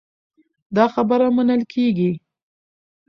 دا خبره منل کېږي.